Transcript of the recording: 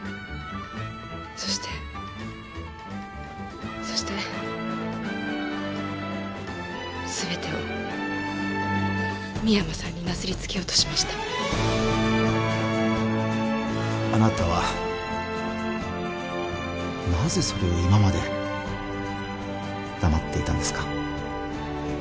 そしてそして全てを深山さんになすりつけようとしましたあなたはなぜそれを今まで黙っていたんですか？